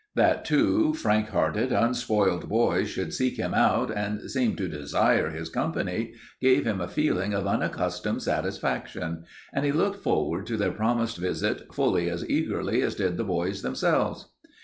That two frank hearted, unspoiled boys should seek him out and seem to desire his company gave him a feeling of unaccustomed satisfaction, and he looked forward to their promised visit fully as eagerly as did the boys themselves.